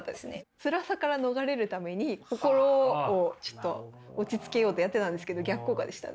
つらさから逃れるために心をちょっと落ち着けようってやってたんですけど逆効果でした。